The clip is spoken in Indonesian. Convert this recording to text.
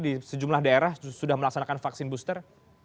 di sejumlah daerah sudah melaksanakan vaksin booster